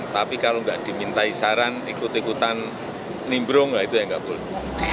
tapi kalau gak dimintai saran ikut ikutan nimbrung itu yang gak boleh